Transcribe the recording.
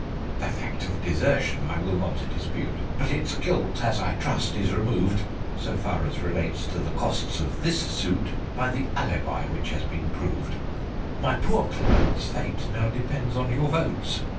"The fact of Desertion I will not dispute: But its guilt, as I trust, is removed (So far as relates to the costs of this suit) By the Alibi which has been proved. "My poor client's fate now depends on your votes."